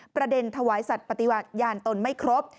ประเด็นถวายสัตว์ปฏิวัติยานตนไม่ครบ